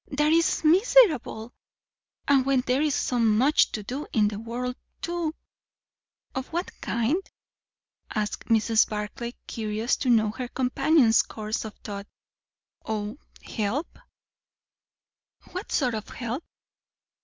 That is miserable; and when there is so much to do in the world, too!" "Of what kind?" asked Mrs. Barclay, curious to know her companion's course of thought. "O, help." "What sort of help?"